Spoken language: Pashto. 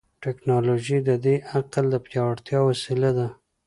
ټیکنالوژي د دې عقل د پیاوړتیا وسیله ده.